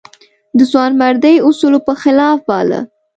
د ځوانمردۍ اصولو په خلاف باله.